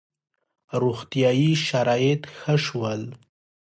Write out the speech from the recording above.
• روغتیايي شرایط ښه شول.